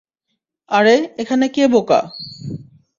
আরে, এখানে কে বোকা?